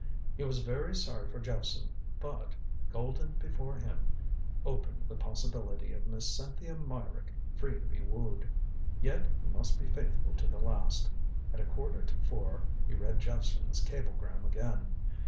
He was very sorry for Jephson, but golden before him opened the possibility of Miss Cynthia Meyrick free to be wooed. Yet he must be faithful to the last. At a quarter to four he read Jephson's cablegram again.